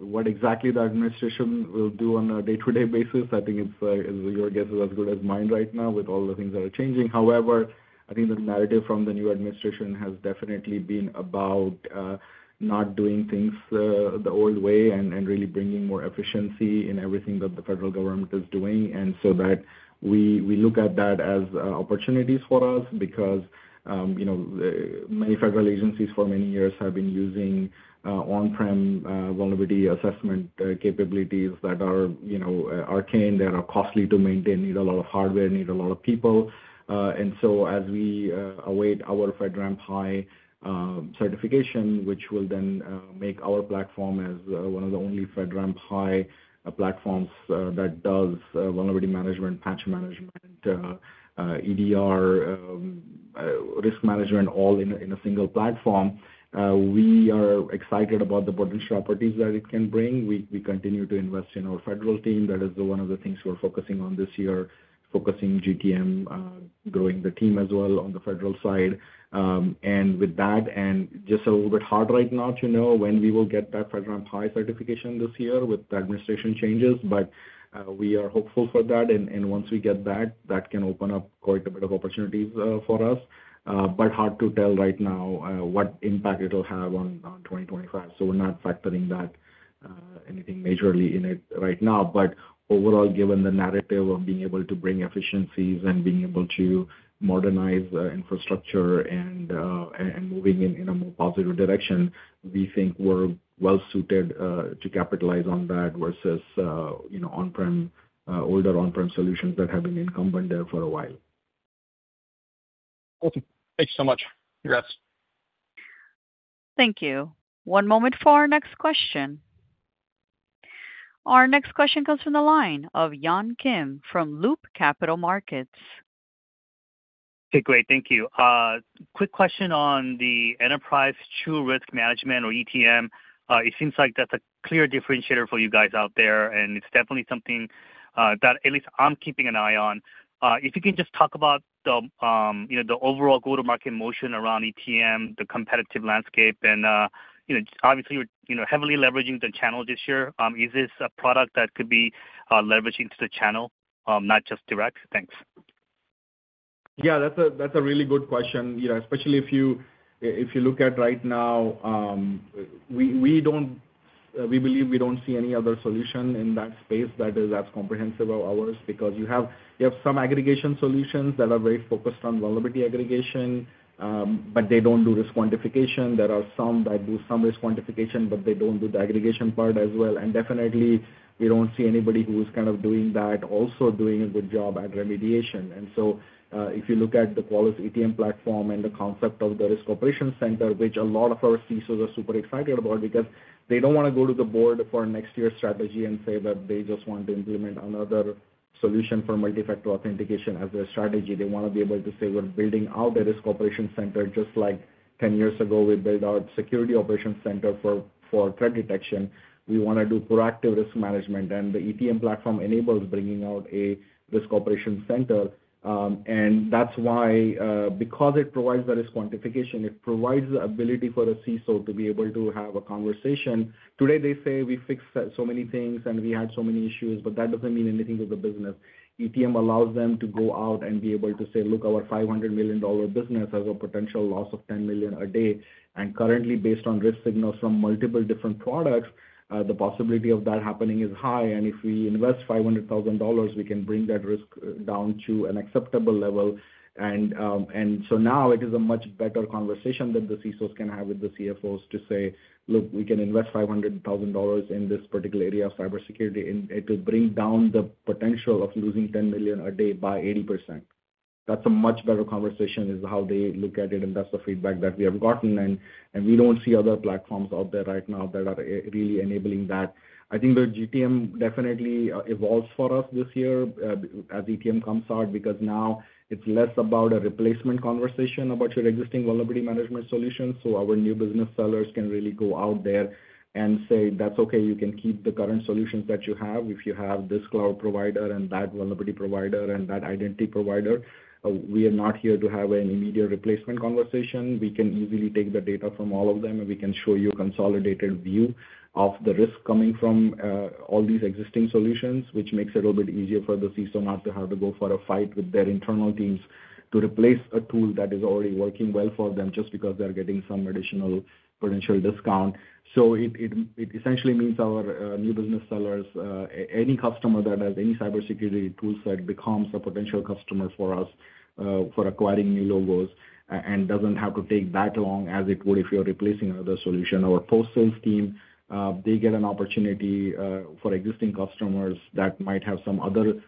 what exactly the administration will do on a day-to-day basis, I think your guess is as good as mine right now with all the things that are changing. However, I think the narrative from the new administration has definitely been about not doing things the old way and really bringing more efficiency in everything that the federal government is doing. And so that we look at that as opportunities for us because many federal agencies for many years have been using on-prem vulnerability assessment capabilities that are arcane, that are costly to maintain, need a lot of hardware, need a lot of people. And so as we await our FedRAMP High certification, which will then make our platform as one of the only FedRAMP High platforms that does vulnerability management, Patch Management, EDR, risk management, all in a single platform, we are excited about the potential properties that it can bring. We continue to invest in our federal team. That is one of the things we're focusing on this year, focusing GTM, growing the team as well on the federal side. And with that, and just a little bit hard right now to know when we will get that FedRAMP High certification this year with the administration changes, but we are hopeful for that. And once we get that, that can open up quite a bit of opportunities for us. But hard to tell right now what impact it will have on 2025. So we're not factoring that anything majorly in it right now. But overall, given the narrative of being able to bring efficiencies and being able to modernize infrastructure and moving in a more positive direction, we think we're well suited to capitalize on that versus older on-prem solutions that have been incumbent there for a while. Awesome. Thank you so much. Congrats. Thank you. One moment for our next question. Our next question comes from the line of Yun Kim from Loop Capital Markets. Okay, great. Thank you. Quick question on the Enterprise TruRisk Management or ETM. It seems like that's a clear differentiator for you guys out there, and it's definitely something that at least I'm keeping an eye on. If you can just talk about the overall go-to-market motion around ETM, the competitive landscape, and obviously, you're heavily leveraging the channel this year. Is this a product that could be leveraging to the channel, not just direct? Thanks. Yeah, that's a really good question, especially if you look at right now. We believe we don't see any other solution in that space that is as comprehensive as ours because you have some aggregation solutions that are very focused on vulnerability aggregation, but they don't do risk quantification. There are some that do some risk quantification, but they don't do the aggregation part as well. And definitely, we don't see anybody who's kind of doing that, also doing a good job at remediation. And so if you look at the Qualys ETM platform and the concept of the Risk Operations Center, which a lot of our CSOs are super excited about because they don't want to go to the board for next year's strategy and say that they just want to implement another solution for multi-factor authentication as their strategy. They want to be able to say, "We're building out a Risk Operations Center just like 10 years ago we built our security operations center for threat detection. We want to do proactive risk management." And the ETM platform enables bringing out a Risk Operations Center. And that's why, because it provides the risk quantification, it provides the ability for a CSO to be able to have a conversation. Today, they say, "We fixed so many things and we had so many issues," but that doesn't mean anything to the business. ETM allows them to go out and be able to say, "Look, our $500 million business has a potential loss of $10 million a day." And currently, based on risk signals from multiple different products, the possibility of that happening is high. And if we invest $500,000, we can bring that risk down to an acceptable level. And so now it is a much better conversation that the CSOs can have with the CFOs to say, "Look, we can invest $500,000 in this particular area of cybersecurity, and it will bring down the potential of losing $10 million a day by 80%." That's a much better conversation, is how they look at it, and that's the feedback that we have gotten. And we don't see other platforms out there right now that are really enabling that. I think the GTM definitely evolves for us this year as ETM comes out because now it's less about a replacement conversation about your existing vulnerability management solutions. So our new business sellers can really go out there and say, "That's okay. You can keep the current solutions that you have if you have this cloud provider and that vulnerability provider and that identity provider. We are not here to have an immediate replacement conversation. We can easily take the data from all of them, and we can show you a consolidated view of the risk coming from all these existing solutions," which makes it a little bit easier for the CISO not to have to go for a fight with their internal teams to replace a tool that is already working well for them just because they're getting some additional potential discount. So it essentially means our new business sellers, any customer that has any cybersecurity toolset becomes a potential customer for us for acquiring new logos and doesn't have to take that long as it would if you're replacing another solution. Our post-sales team, they get an opportunity for existing customers that might have some other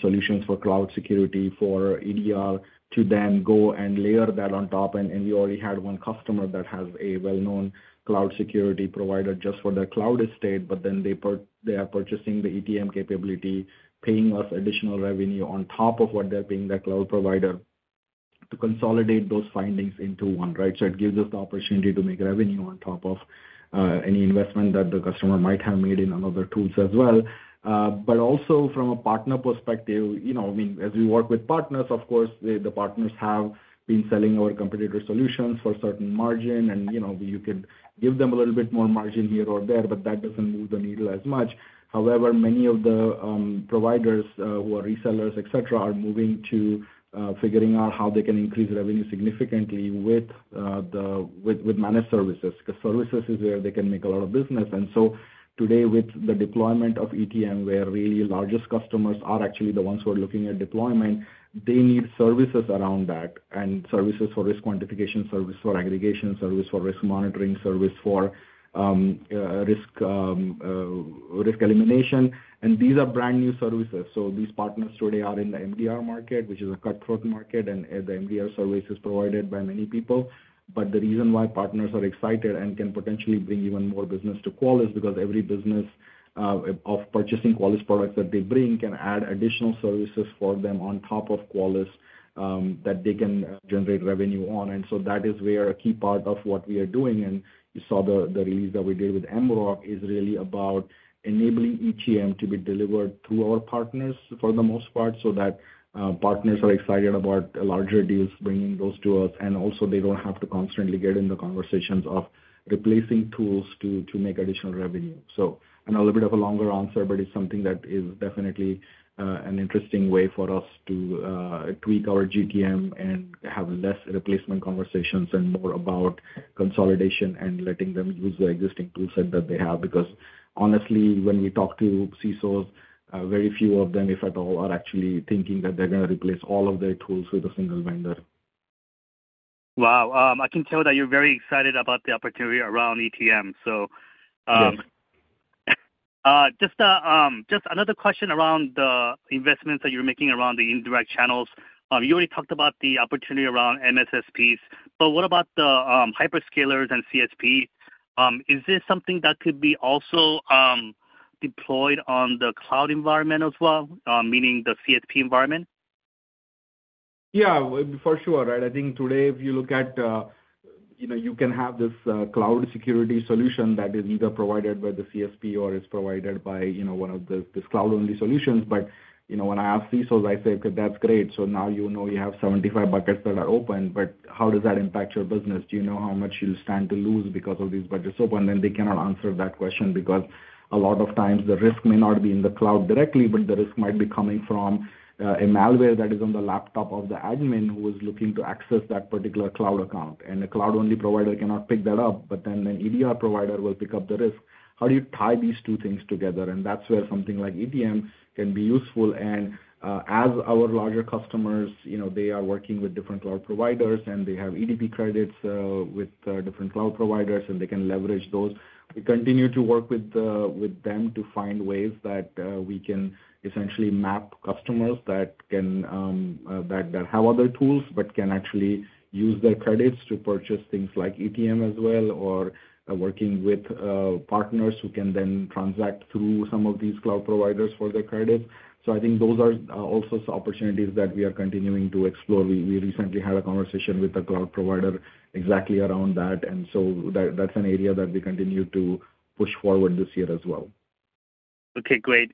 solutions for cloud security, for EDR, to then go and layer that on top. And we already had one customer that has a well-known cloud security provider just for their cloud estate, but then they are purchasing the ETM capability, paying us additional revenue on top of what they're paying that cloud provider to consolidate those findings into one, right? So it gives us the opportunity to make revenue on top of any investment that the customer might have made in another tool as well. But also from a partner perspective, I mean, as we work with partners, of course, the partners have been selling our competitor solutions for a certain margin, and you can give them a little bit more margin here or there, but that doesn't move the needle as much. However, many of the providers who are resellers, etc., are moving to figuring out how they can increase revenue significantly with managed services because services is where they can make a lot of business. And so today, with the deployment of ETM, where really largest customers are actually the ones who are looking at deployment, they need services around that and services for risk quantification, service for aggregation, service for risk monitoring, service for risk elimination. And these are brand new services. So these partners today are in the MDR market, which is a cutthroat market, and the MDR service is provided by many people. But the reason why partners are excited and can potentially bring even more business to Qualys is because every business of purchasing Qualys products that they bring can add additional services for them on top of Qualys that they can generate revenue on. And so that is where a key part of what we are doing, and you saw the release that we did with MROC, is really about enabling ETM to be delivered through our partners for the most part so that partners are excited about larger deals bringing those to us. And also, they don't have to constantly get in the conversations of replacing tools to make additional revenue. So a little bit of a longer answer, but it's something that is definitely an interesting way for us to tweak our GTM and have less replacement conversations and more about consolidation and letting them use the existing toolset that they have. Because honestly, when we talk to CISOs, very few of them, if at all, are actually thinking that they're going to replace all of their tools with a single vendor. Wow. I can tell that you're very excited about the opportunity around ETM. So just another question around the investments that you're making around the indirect channels. You already talked about the opportunity around MSSPs, but what about the hyperscalers and CSPs? Is this something that could be also deployed on the cloud environment as well, meaning the CSP environment? Yeah, for sure, right? I think today, if you look at it, you can have this cloud security solution that is either provided by the CSP or is provided by one of these cloud-only solutions. But when I ask CSOs, I say, "Okay, that's great. So now you know you have 75 buckets that are open, but how does that impact your business? Do you know how much you'll stand to lose because of these buckets open?" Then they cannot answer that question because a lot of times the risk may not be in the cloud directly, but the risk might be coming from a malware that is on the laptop of the admin who is looking to access that particular cloud account. And a cloud-only provider cannot pick that up, but then an EDR provider will pick up the risk. How do you tie these two things together? And that's where something like ETM can be useful. And as our larger customers, they are working with different cloud providers, and they have EDP credits with different cloud providers, and they can leverage those. We continue to work with them to find ways that we can essentially map customers that have other tools but can actually use their credits to purchase things like ETM as well or working with partners who can then transact through some of these cloud providers for their credits. So I think those are also opportunities that we are continuing to explore. We recently had a conversation with a cloud provider exactly around that. And so that's an area that we continue to push forward this year as well. Okay, great.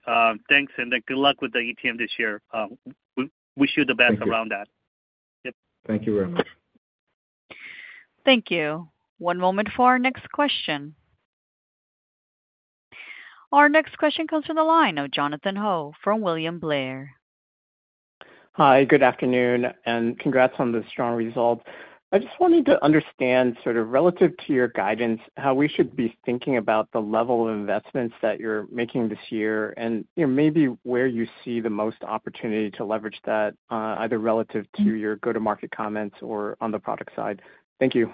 Thanks. And good luck with the ETM this year. Wish you the best around that. Yep. Thank you very much. Thank you. One moment for our next question. Our next question comes from the line of Jonathan Ho from William Blair. Hi, good afternoon, and congrats on the strong result. I just wanted to understand sort of relative to your guidance, how we should be thinking about the level of investments that you're making this year and maybe where you see the most opportunity to leverage that, either relative to your go-to-market comments or on the product side. Thank you.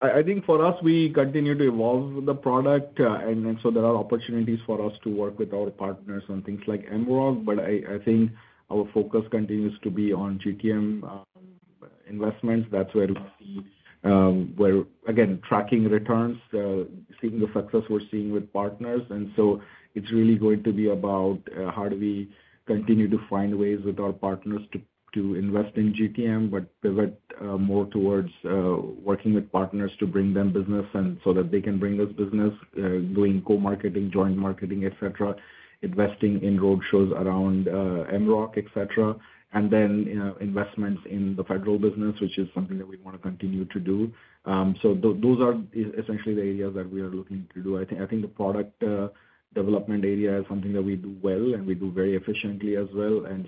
I think for us, we continue to evolve the product, and so there are opportunities for us to work with our partners on things like MROC, but I think our focus continues to be on GTM investments. That's where we see, again, tracking returns, seeing the success we're seeing with partners. And so it's really going to be about how do we continue to find ways with our partners to invest in GTM, but pivot more towards working with partners to bring them business so that they can bring us business, doing co-marketing, joint marketing, etc., investing in roadshows around MROC, etc., and then investments in the federal business, which is something that we want to continue to do. So those are essentially the areas that we are looking to do. I think the product development area is something that we do well, and we do very efficiently as well. And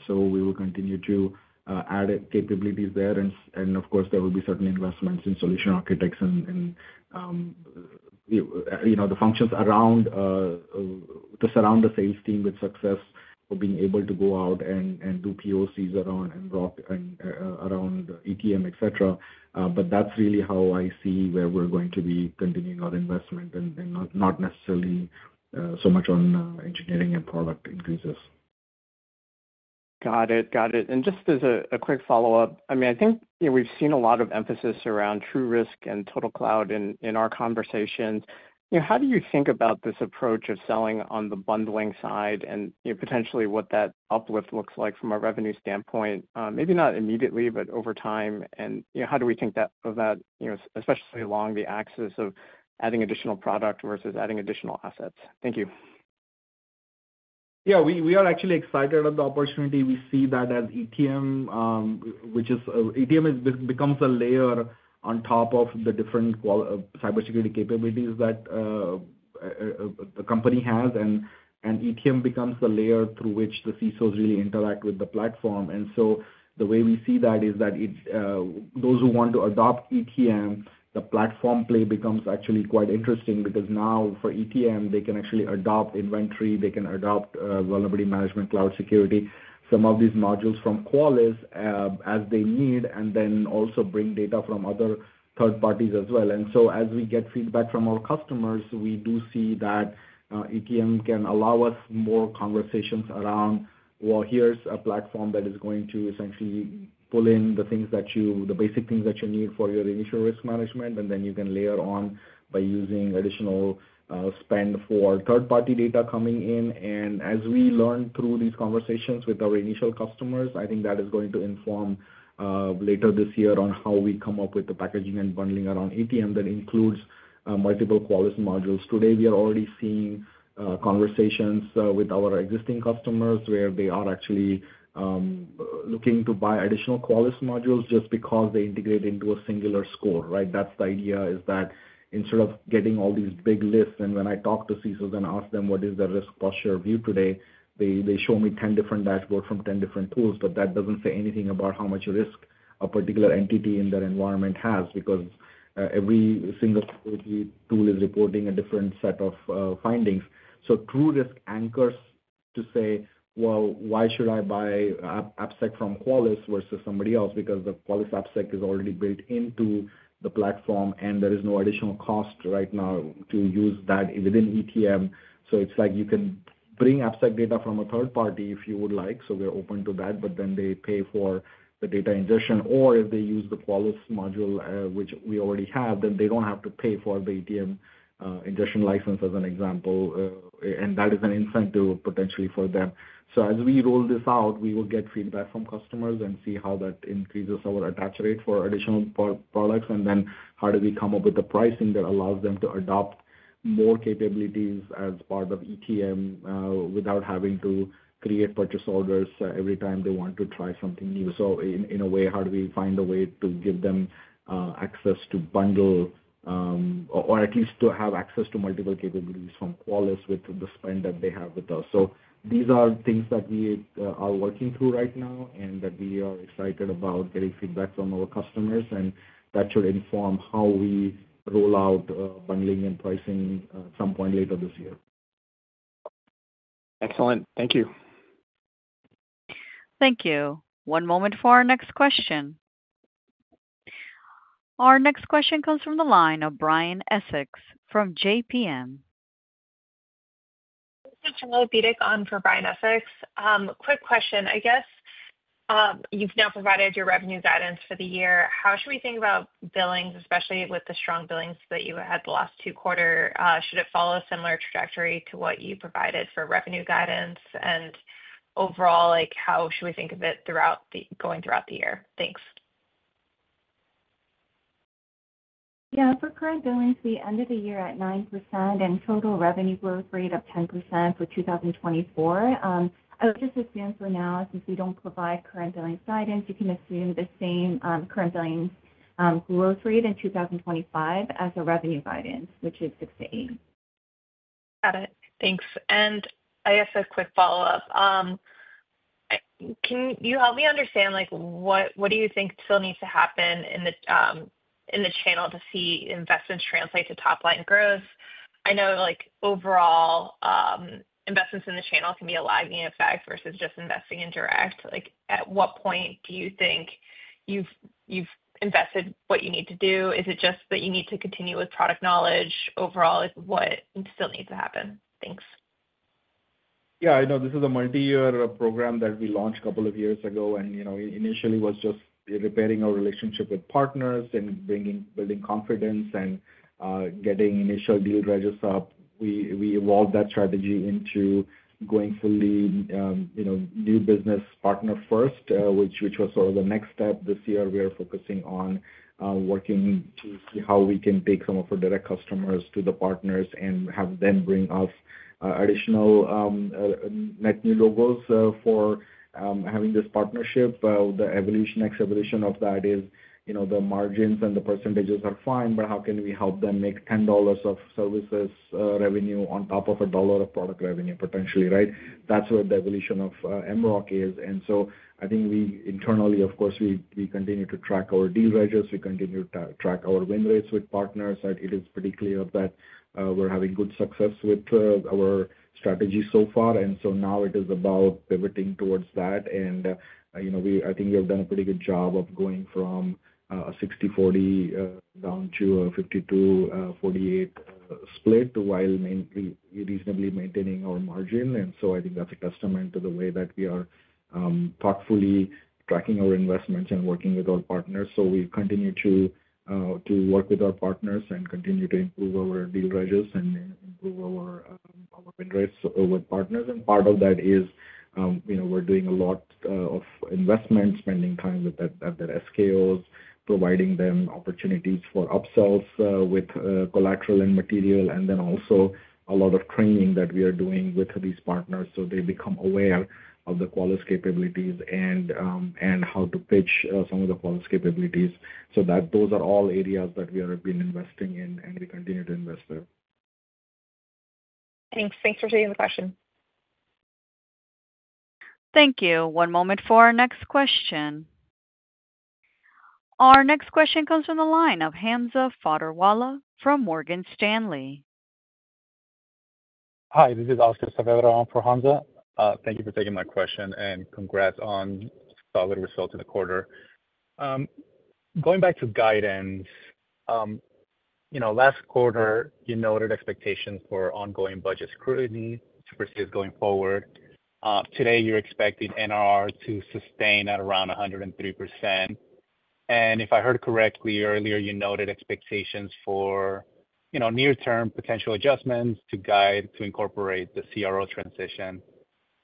of course, there will be certain investments in solution architects and the functions to surround the sales team with success for being able to go out and do POCs around ETM, etc. But that's really how I see where we're going to be continuing our investment and not necessarily so much on engineering and product increases. Got it. Got it. And just as a quick follow-up, I mean, I think we've seen a lot of emphasis around TruRisk and TotalCloud in our conversations. How do you think about this approach of selling on the bundling side and potentially what that uplift looks like from a revenue standpoint, maybe not immediately, but over time? And how do we think of that, especially along the axis of adding additional product versus adding additional assets? Thank you. Yeah, we are actually excited about the opportunity. We see that as ETM, which is ETM becomes a layer on top of the different cybersecurity capabilities that the company has, and ETM becomes the layer through which the CISOs really interact with the platform. The way we see that is that those who want to adopt ETM, the platform play becomes actually quite interesting because now for ETM, they can actually adopt inventory. They can adopt vulnerability management, cloud security, some of these modules from Qualys as they need, and then also bring data from other third parties as well. As we get feedback from our customers, we do see that ETM can allow us more conversations around, "Well, here's a platform that is going to essentially pull in the basic things that you need for your initial risk management," and then you can layer on by using additional spend for third-party data coming in. As we learn through these conversations with our initial customers, I think that is going to inform later this year on how we come up with the packaging and bundling around ETM that includes multiple Qualys modules. Today, we are already seeing conversations with our existing customers where they are actually looking to buy additional Qualys modules just because they integrate into a singular score, right? That's the idea is that instead of getting all these big lists, and when I talk to CISOs and ask them what is their risk posture view today, they show me 10 different dashboards from 10 different tools, but that doesn't say anything about how much risk a particular entity in their environment has because every single tool is reporting a different set of findings. So, TruRisk anchors to say, "Well, why should I buy AppSec from Qualys versus somebody else?" Because the Qualys AppSec is already built into the platform, and there is no additional cost right now to use that within ETM. So it's like you can bring AppSec data from a third party if you would like. So we're open to that, but then they pay for the data ingestion. Or if they use the Qualys module, which we already have, then they don't have to pay for the ETM ingestion license as an example, and that is an incentive potentially for them. So as we roll this out, we will get feedback from customers and see how that increases our attach rate for additional products, and then how do we come up with the pricing that allows them to adopt more capabilities as part of ETM without having to create purchase orders every time they want to try something new. So in a way, how do we find a way to give them access to bundle or at least to have access to multiple capabilities from Qualys with the spend that they have with us? So these are things that we are working through right now and that we are excited about getting feedback from our customers, and that should inform how we roll out bundling and pricing at some point later this year. Excellent. Thank you. Thank you. One moment for our next question. Our next question comes from the line of Brian Essex from JPM. Hello, Team. For Brian Essex. Quick question. I guess you've now provided your revenue guidance for the year. How should we think about billings, especially with the strong billings that you had the last two quarters? Should it follow a similar trajectory to what you provided for revenue guidance? And overall, how should we think of it going throughout the year? Thanks. Yeah. For current billings, we ended the year at 9% and total revenue growth rate of 10% for 2024. I would just assume for now, since we don't provide current billing guidance, you can assume the same current billing growth rate in 2025 as a revenue guidance, which is 6%-8%. Got it. Thanks. And I guess a quick follow-up. Can you help me understand what do you think still needs to happen in the channel to see investments translate to top-line growth? I know overall, investments in the channel can be a lagging effect versus just investing indirect. At what point do you think you've invested what you need to do? Is it just that you need to continue with product knowledge? Overall, what still needs to happen? Thanks. Yeah. I know this is a multi-year program that we launched a couple of years ago and initially was just repairing our relationship with partners and building confidence and getting initial deal registers. We evolved that strategy into going fully new business partner first, which was sort of the next step. This year, we are focusing on working to see how we can take some of our direct customers to the partners and have them bring us additional net new logos for having this partnership. The next evolution of that is the margins and the percentages are fine, but how can we help them make $10 of services revenue on top of $1 of product revenue potentially, right? That's where the evolution of mROC is. And so I think we internally, of course, we continue to track our deal registers. We continue to track our win rates with partners. It is pretty clear that we're having good success with our strategy so far. And so now it is about pivoting towards that. And I think we have done a pretty good job of going from a 60/40 down to a 52/48 split while reasonably maintaining our margin. And so I think that's a testament to the way that we are thoughtfully tracking our investments and working with our partners. So we continue to work with our partners and continue to improve our deal registers and improve our win rates with partners. And part of that is we're doing a lot of investment, spending time with the SKOs, providing them opportunities for upsells with collateral and material, and then also a lot of training that we are doing with these partners so they become aware of the Qualys capabilities and how to pitch some of the Qualys capabilities. So those are all areas that we have been investing in, and we continue to invest there. Thanks. Thanks for taking the question. Thank you. One moment for our next question. Our next question comes from the line of Hamza Fodderwala from Morgan Stanley. Hi, this is Oscar Saavedra from Hamza. Thank you for taking my question and congrats on solid results in the quarter. Going back to guidance, last quarter, you noted expectations for ongoing budget scrutiny to proceed going forward. Today, you're expecting NRR to sustain at around 103%. And if I heard correctly earlier, you noted expectations for near-term potential adjustments to guide to incorporate the CRO transition.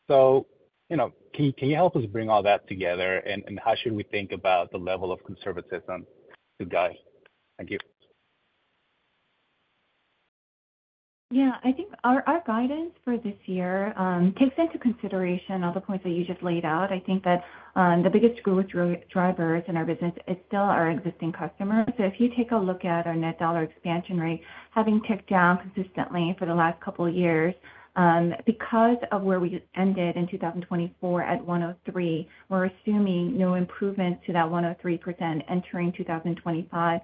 So can you help us bring all that together, and how should we think about the level of conservatism to guide? Thank you. Yeah. I think our guidance for this year takes into consideration all the points that you just laid out. I think that the biggest growth drivers in our business are still our existing customers. If you take a look at our net dollar expansion rate, having ticked down consistently for the last couple of years, because of where we ended in 2024 at 103%, we're assuming no improvement to that 103% entering 2025.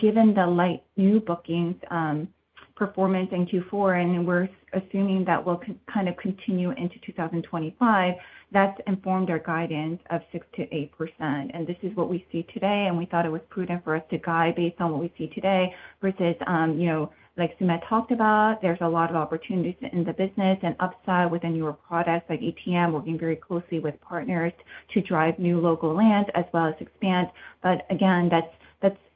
Given the light new bookings performance in Q4, and we're assuming that will kind of continue into 2025, that's informed our guidance of 6%-8%. This is what we see today, and we thought it was prudent for us to guide based on what we see today versus, like, Sumedh talked about. There's a lot of opportunities in the business and upside within your products like ETM, working very closely with partners to drive new logo lands as well as expand. But again,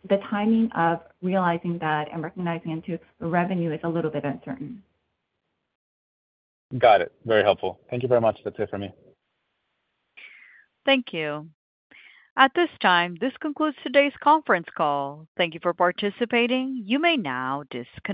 the timing of realizing that and recognizing into revenue is a little bit uncertain. Got it. Very helpful. Thank you very much. That's it for me. Thank you. At this time, this concludes today's conference call. Thank you for participating. You may now disconnect.